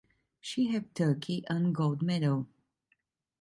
She helped Turkey earn gold medal.